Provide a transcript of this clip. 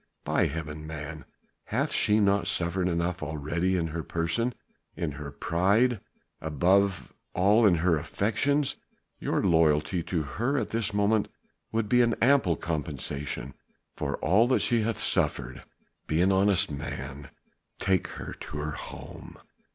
By Heaven man, hath she not suffered enough already in her person, in her pride, above all in her affections? Your loyalty to her at this moment would be ample compensation for all that she hath suffered. Be an honest man and take her to her home."